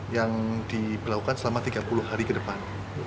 yang diberlakukan selama tiga puluh hari ke depan